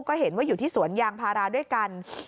ก็เห็นว่าอยู่ที่สวนยางพาราด้วยกัน